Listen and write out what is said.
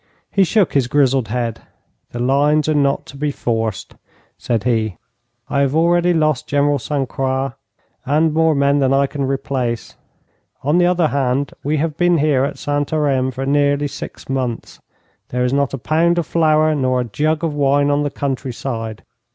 He shook his grizzled head. 'The lines are not to be forced,' said he. 'I have already lost General St. Croix and more men than I can replace. On the other hand, we have been here at Santarem for nearly six months. There is not a pound of flour nor a jug of wine on the countryside.